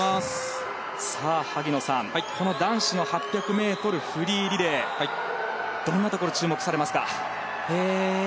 萩野さん男子の８００ｍフリーリレーどんなところに注目されますか？